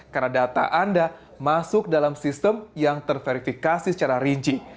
karena data anda masuk dalam sistem yang terverifikasi secara rinci